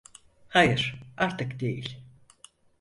Hayır, artık değil.